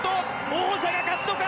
王者が勝つのか。